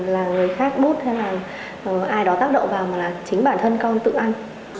là người khác bút hay là ai đó tác động vào mà là chính bản thân con tự ăn